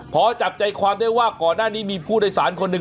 พอจับใจความได้ว่าก่อนหน้านี้มีผู้โดยสารคนหนึ่ง